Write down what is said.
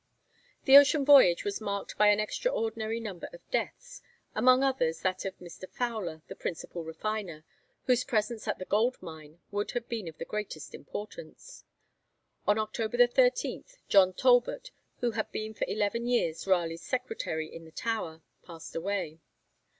The ocean voyage was marked by an extraordinary number of deaths, among others that of Mr. Fowler, the principal refiner, whose presence at the gold mine would have been of the greatest importance. On October 13, John Talbot, who had been for eleven years Raleigh's secretary in the Tower, passed away.